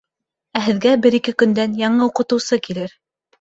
Ә һеҙгә бер-ике көндән яңы уҡытыусы килер.